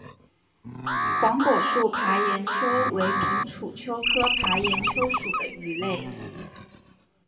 黄果树爬岩鳅为平鳍鳅科爬岩鳅属的鱼类。